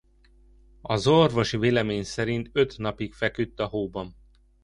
Az orvosi vélemény szerint öt napig feküdt a hóban.